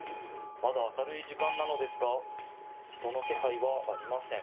まだ明るい時間なのですが人の気配はありません。